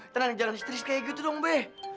tenang jangan stres kayak gitu dong be